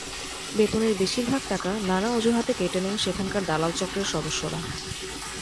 বেতনের বেশির ভাগ টাকা নানা অজুহাতে কেটে নেন সেখানকার দালাল চক্রের সদস্যরা।